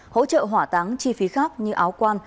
hỗ trợ hỏa táng chi phí khác như áo quan